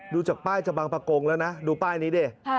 ดูจากป้ายจะบังปะกงแล้วนะดูป้ายนี้ดิ